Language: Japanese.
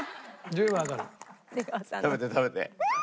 食べて食べて。